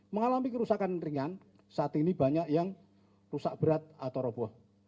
mengalami kerusakan ringan saat ini banyak yang rusak berat atau roboh